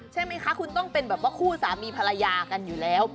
ใช่ไหมคะคุณต้องเป็นแบบว่าคู่สามีภรรยากันอยู่แล้ว